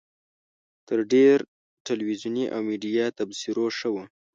تر ډېرو تلویزیوني او میډیایي تبصرو ښه وه.